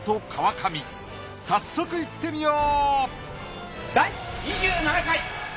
早速いってみよう！